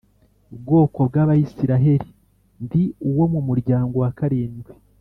bwoko bw Abisirayeli ndi uwo mu muryango wa karindwi